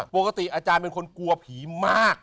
ปกติอาจารย์เป็นคนกลัวผีมาก